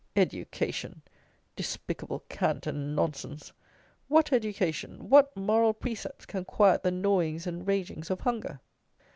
"Education"! Despicable cant and nonsense! What education, what moral precepts, can quiet the gnawings and ragings of hunger?